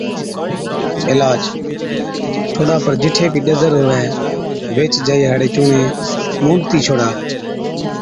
عِلاج، ٺوڏا پر جِٺي بِي ڏَدر هُوَِ ويهچ جائِي هاڙِي چُونڻي مُونڏتِي ڇوڙا